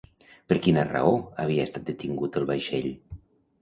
Per quina raó havia estat detingut el vaixell?